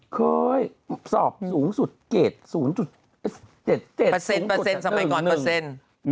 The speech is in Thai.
เคยสอบสูงสุดเกรด๐๗๗สมัยก่อนเปอร์เซ็นต์